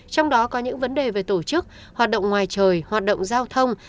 trong đó có những vấn đề về tổ chức hoạt động ngoài trời hoạt động giao thông